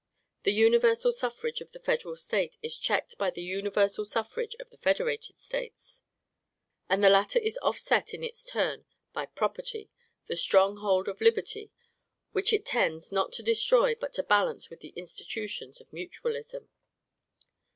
The universal suffrage of the federal State is checked by the universal suffrage of the federated States; and the latter is offset in its turn by PROPERTY, the stronghold of liberty, which it tends, not to destroy, but to balance with the institutions of MUTUALISM.